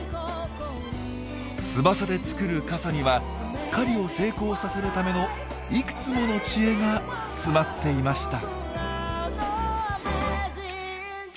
翼で作る傘には狩りを成功させるためのいくつもの知恵が詰まっていました。